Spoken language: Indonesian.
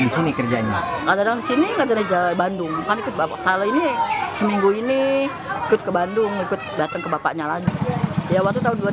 sekarang dia berlaku berkembang dari game p